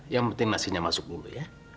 yang penting nasinya masuk dulu ya